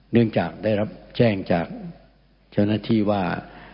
เนื่องจากได้รับแจ้งจากเจ้าหน้าที่ว่า